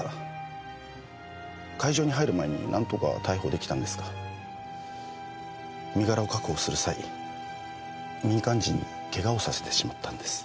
会場に入る前になんとか逮捕出来たんですが身柄を確保する際に民間人にケガをさせてしまったんです。